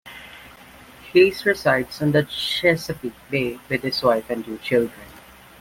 Hayes resides on the Chesapeake Bay with his wife and two children.